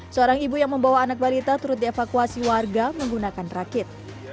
seorang ibu yang membawa anak balita turut dievakuasi warga menggunakan rakit